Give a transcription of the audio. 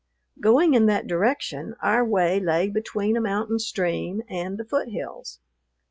Going in that direction, our way lay between a mountain stream and the foothills.